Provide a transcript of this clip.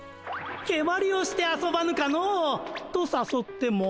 けまりをして遊ばぬかのう。とさそっても。